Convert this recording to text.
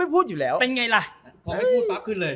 พอไม่พูดปักขึ้นเลย